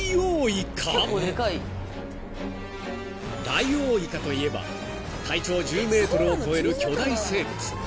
［ダイオウイカといえば体長１０ｍを超える巨大生物］